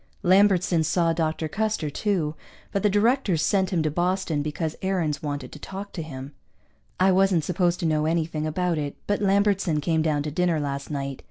Lambertson saw Dr. Custer, too, but the directors sent him to Boston because Aarons wanted to talk to him. I wasn't supposed to know anything about it, but Lambertson came down to dinner last night.